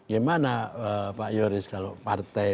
gimana pak yoris kalau partai